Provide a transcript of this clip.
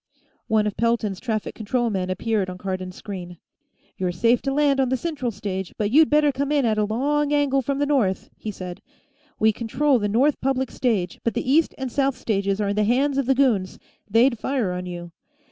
One of Pelton's traffic control men appeared on Cardon's screen. "You're safe to land on the central stage, but you'd better come in at a long angle from the north," he said. "We control the north public stage, but the east and south stages are in the hands of the goons; they'd fire on you.